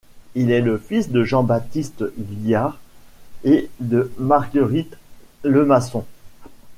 Il est le fils de Jean-Baptiste Guyard et de Marguerite Lemasson.